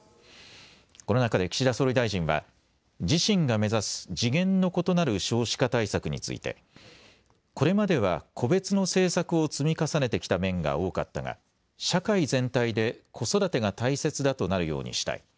この中で岸田総理大臣は自身が目指す次元の異なる少子化対策についてこれまでは個別の政策を積み重ねてきた面が多かったが社会全体で子育てが大切だとなるようにしたい。